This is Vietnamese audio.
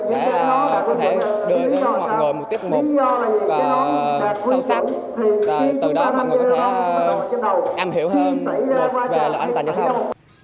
để có thể đưa cho mọi người một tiếp mục sâu sắc và từ đó mọi người có thể em hiểu hơn về luật an toàn giao thông